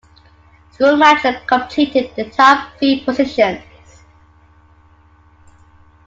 Schumacher completed the top three positions.